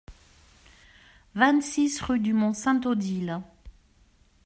vingt-six rue du Mont Sainte-Odile